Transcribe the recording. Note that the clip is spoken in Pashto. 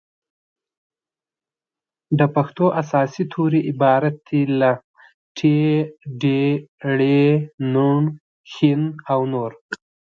د پښتو اساسي توري عبارت دي له : ټ ډ ړ ڼ ښ او نور